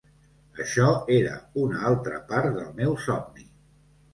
Això era un altra part del meu somni.